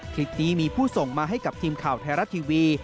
คลิปนี้มีผู้ส่งมาให้กับทีมข่าวไทยรัฐทีวี